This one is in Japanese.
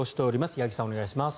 八木さん、お願いします。